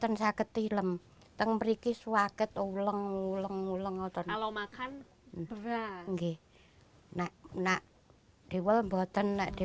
hasilnya lumayan tiga empat ribu per buah